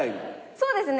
そうですね。